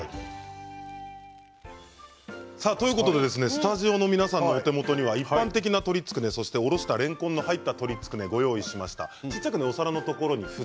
スタジオの皆さんのお手元には一般的な鶏つくねとおろしたれんこんの入った鶏つくねを用意しました。